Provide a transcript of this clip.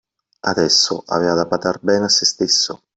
Adesso, aveva da badar bene a se stesso.